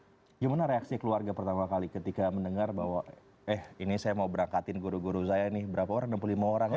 bagaimana reaksi keluarga pertama kali ketika mendengar bahwa eh ini saya mau berangkatin guru guru saya nih berapa orang enam puluh lima orang ya